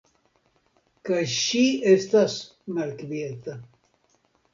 Kaj ŝi estas malkvieta.